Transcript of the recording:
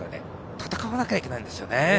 戦わなきゃいけないんですよね。